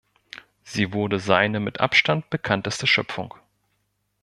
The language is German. Sie wurde seine mit Abstand bekannteste Schöpfung.